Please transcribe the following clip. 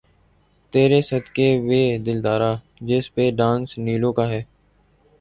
''تیرے صدقے وے دلدارا‘‘ جس پہ ڈانس نیلو کا ہے۔